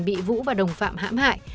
bị vũ và đồng phạm hãm hại